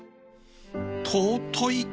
尊い。